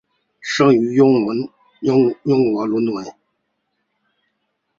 生于英国伦敦。